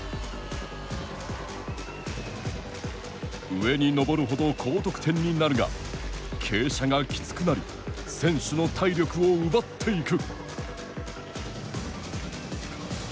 上に登るほど高得点になるが傾斜がきつくなり選手の体力を奪っていく。